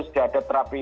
sudah ada terapi